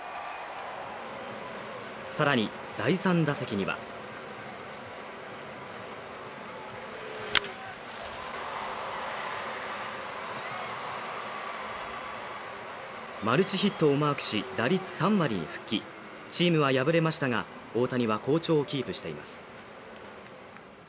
さらに第３打席にはマルチヒットをマークし打率３割に復帰チームは敗れましたが大谷は好調をキープしています